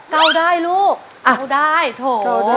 เก่าได้ลูกเอาได้โถ